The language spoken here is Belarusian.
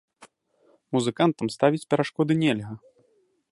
Музыкантам ставіць перашкоды нельга.